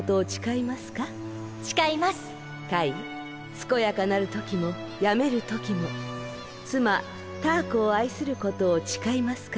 すこやかなるときもやめるときもつまタアコをあいすることをちかいますか？